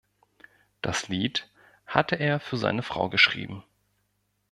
Das Lied hatte er für seine Frau geschrieben.